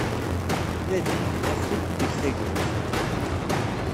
Nadi, af-d, eg tagrut!